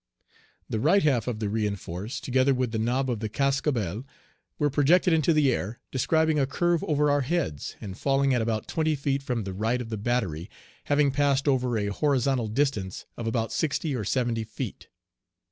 The right half of the re enforce, together with the nob of the cascabel, were projected into the air, describing a curve over our heads, and falling at about twenty feet from the right of the battery, having passed over a horizontal distance of about sixty or seventy feet.